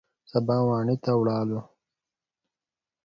سبا واڼې ته ولاړو.